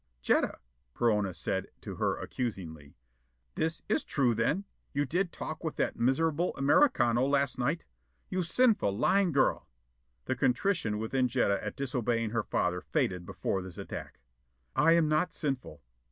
"Jetta," Perona said to her accusingly, "that is true, then: you did talk with that miserable Americano last night? You sinful, lying girl." The contrition within Jetta at disobeying her father faded before this attack. "I am not sinful."